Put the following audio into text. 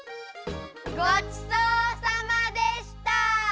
ごちそうさまでした！